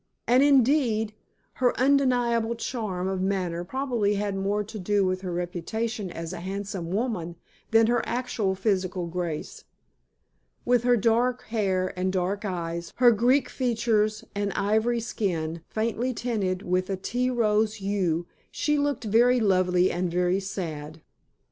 And, indeed, her undeniable charm of manner probably had more to do with her reputation as a handsome woman than her actual physical grace. With her dark hair and dark eyes, her Greek features and ivory skin faintly tinted with a tea rose hue, she looked very lovely and very sad.